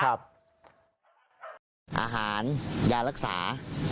อาหารยารักษา